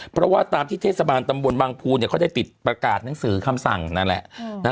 เพราะว่าตามที่เทศบาลตำบลบางภูเขาได้ติดประกาศหนังสือคำสั่งนั่นแหละ